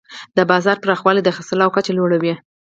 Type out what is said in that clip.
د بازار پراخوالی د خرڅلاو کچه لوړوي.